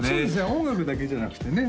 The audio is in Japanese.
音楽だけじゃなくてね